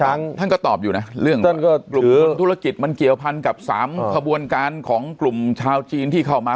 ท่านก็ตอบอยู่นะเรื่องกลุ่มคนธุรกิจมันเกี่ยวพันกับสามขบวนการของกลุ่มชาวจีนที่เข้ามา